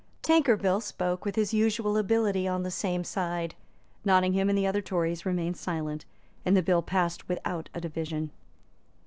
Tankerville spoke with his usual ability on the same side. Nottingham and the other Tories remained silent; and the bill passed without a division.